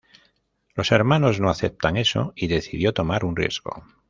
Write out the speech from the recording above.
Los hermanos no aceptan eso y decidió tomar un riesgo.